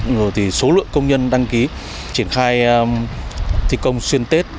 rồi thì số lượng công nhân đăng ký triển khai thi công xuyên tết